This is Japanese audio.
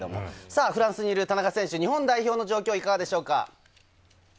フランスにいる田中選手、日本代表の状況はいかがでしょうか？